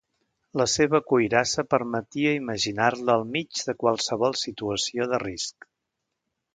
La seva cuirassa permetia imaginar-la al mig de qualsevol situació de risc.